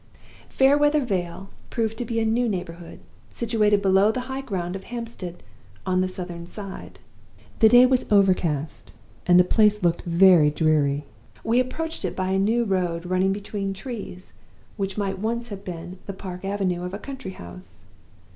"Fairweather Vale proved to be a new neighborhood, situated below the high ground of Hampstead, on the southern side. The day was overcast, and the place looked very dreary. We approached it by a new road running between trees, which might once have been the park avenue of a country house.